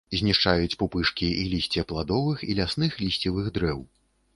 Знішчаюць пупышкі і лісце пладовых і лясных лісцевых дрэў.